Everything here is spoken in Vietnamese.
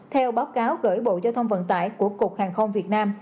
theo báo cáo gửi bộ giao thông vận tải của cục hàng không việt nam